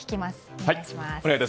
お願いします。